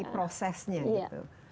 tapi prosesnya gitu